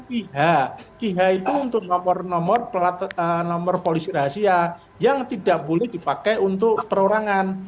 ph ph itu untuk nomor nomor pelatuh nomor polisi rahasia yang tidak boleh dipakai untuk perorangan